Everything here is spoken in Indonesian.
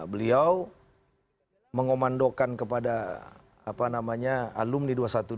beliau mengomandokan kepada alumni dua ratus dua belas